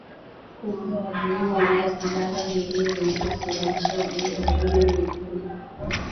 kupe wa bluu anayesambaza viini vinavyosababisha ugonjwa wa mkojo mwekundu